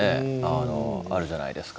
あのあるじゃないですか。